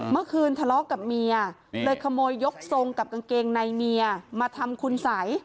เมื่อคืนทะเลาะกับเมียเลยขโมยยกทรงกับกางเกงในเมียมาทำคุณสัย